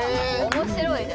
面白いね！